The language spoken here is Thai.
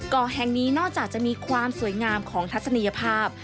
เกาะแห่งนี้นอกจากจะมีความสวยงามของทัศนียภาพ